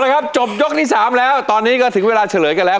ครับจบยกที่๓แล้วตอนนี้ก็ถึงเวลาเฉลยกันแล้ว